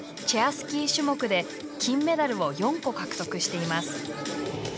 スキー種目で金メダルを４個獲得しています。